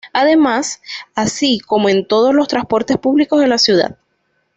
Además, así como en todos los transportes públicos de la ciudad.